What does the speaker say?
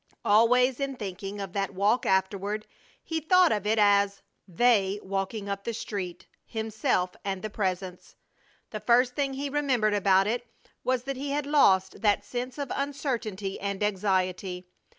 Always in thinking of that walk afterward he thought of it as "they walking up the street" himself and the Presence. The first thing he remembered about it was that he had lost that sense of uncertainty and anxiety.